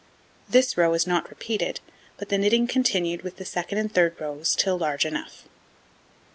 This row is not repeated, but the knitting continued with the 2d and 3d rows till large enough.